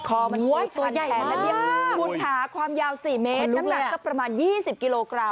คอมันถูกทันแทนแล้วเนี่ยมุนถาความยาว๔เมตรน้ำหนักก็ประมาณ๒๐กิโลกรัม